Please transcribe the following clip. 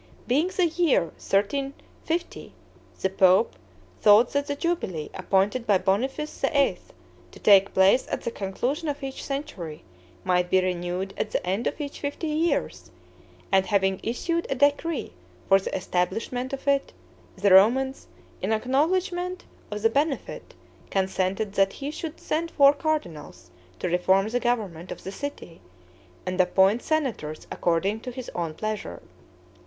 Being the year 1350, the pope thought that the jubilee, appointed by Boniface VIII. to take place at the conclusion of each century, might be renewed at the end of each fifty years; and having issued a decree for the establishment of it, the Romans, in acknowledgment of the benefit, consented that he should send four cardinals to reform the government of the city, and appoint senators according to his own pleasure.